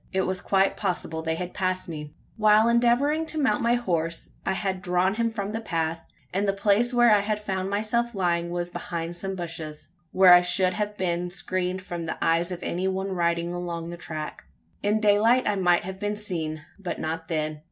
It was quite possible they had passed me. While endeavouring to mount my horse, I had drawn him from the path; and the place where I had found myself lying was behind some bushes, where I should have been screened from the eyes of any one riding along the track. In daylight I might have been seen; but not then.